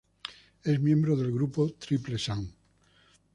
Es miembro del grupo Triple Sun.